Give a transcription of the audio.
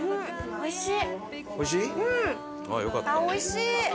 おいしい。